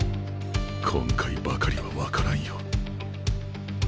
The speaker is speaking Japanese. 今回ばかりは分からんよ福田。